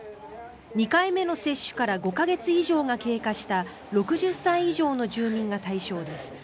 ２回目の接種から５か月以上が経過した６０歳以上の住民が対象です。